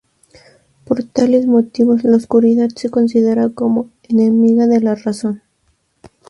Por tales motivos la oscuridad se considera como enemiga de la razón.